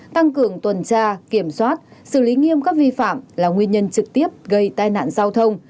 tăng cường tuần tra kiểm soát xử lý nghiêm các vi phạm là nguyên nhân trực tiếp gây tai nạn giao thông